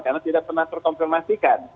karena tidak pernah terkomplimasikan